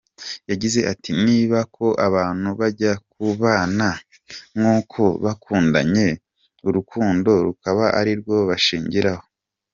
Yagize ati “Nibaza ko abantu bajya kubana kuko bakundanye urukundo rukaba arirwo bashingiraho.